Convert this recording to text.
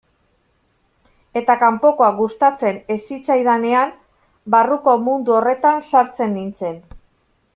Eta kanpokoa gustatzen ez zitzaidanean, barruko mundu horretan sartzen nintzen.